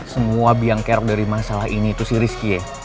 semua biangkerok dari masalah ini itu si rizky ya